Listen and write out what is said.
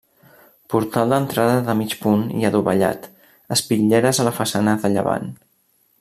Portal d'entrada de mig punt i adovellat; espitlleres a la façana de llevant.